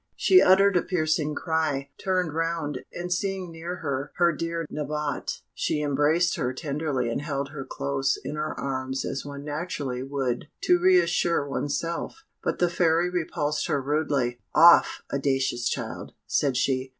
She uttered a piercing cry, turned round, and seeing near her her dear Nabote, she embraced her tenderly and held her close in her arms as one naturally would to re assure oneself. But the Fairy repulsed her rudely: "Off! audacious child," said she.